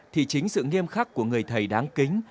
thì chính sự nghiêm khắc của người thầy đáng kính